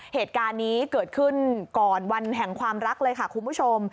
เหตุการณ์นี้เกิดขึ้นก่อนวันแห่งความรักเลยค่ะคุณผู้ชม